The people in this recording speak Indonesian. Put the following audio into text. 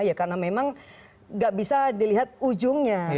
ya karena memang nggak bisa dilihat ujungnya